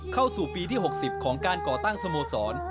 เข้าสู่ปีที่๖๐ของการก่อตั้งสโมสร